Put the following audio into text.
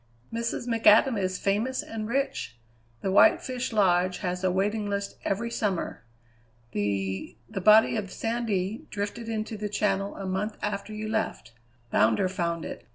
"Mrs. McAdam is famous and rich. The White Fish Lodge has a waiting list every summer. The the body of Sandy drifted into the Channel a month after you left. Bounder found it.